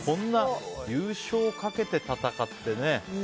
優勝をかけて戦って。